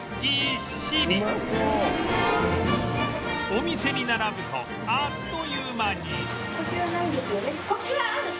お店に並ぶとあっという間に